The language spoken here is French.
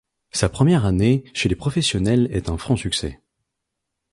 Sa première année chez les professionnels est un franc succès.